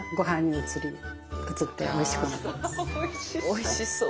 おいしそう！